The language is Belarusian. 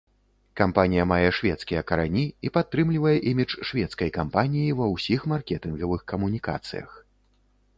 Кампанія мае шведскія карані і падтрымлівае імідж шведскай кампаніі ва ўсіх маркетынгавых камунікацыях.